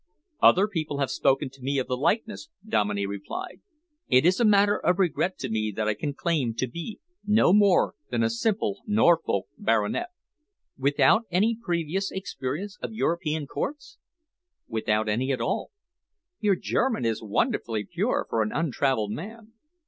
"Other people have spoken to me of the likeness," Dominey replied. "It is a matter of regret to me that I can claim to be no more than a simple Norfolk baronet." "Without any previous experience of European Courts?" "Without any at all." "Your German is wonderfully pure for an untravelled man."